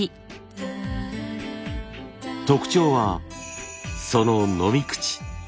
特徴はその飲み口。